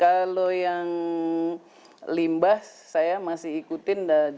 kalau yang limbah saya masih ikutin